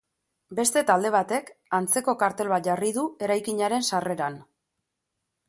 Beste talde batek antzeko kartel bat jarri du eraikinaren sarreran.